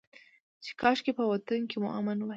چې کاشکي په وطن کې مو امن وى.